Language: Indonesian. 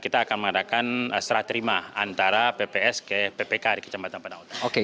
kita akan mengadakan serah terima antara pps ke ppk di kecamatan padang